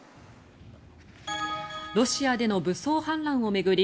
ロシアでの武装反乱を巡り